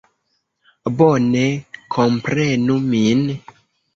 Bone komprenu min!